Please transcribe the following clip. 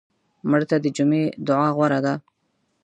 مړه ته د جمعې دعا غوره ده